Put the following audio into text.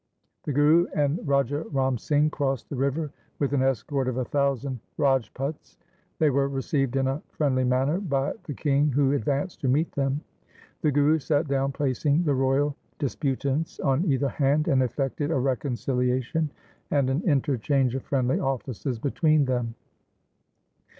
The Guru and Raja Ram Singh crossed the river with an escort of a thousand Rajputs. They were received in a friendly manner by the king who advanced to meet them. The Guru sat down placing the royal dispu tants on either hand, and effected a reconciliation Aa2 356 THE SIKH RELIGION and an interchange of friendly offices between them.